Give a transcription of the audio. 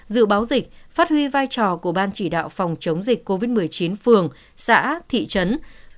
dự báo dịch phát huy vai trò của ban chỉ đạo phòng chống dịch covid một mươi chín phường xã thị trấn